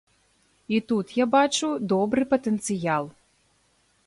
І тут я бачу добры патэнцыял.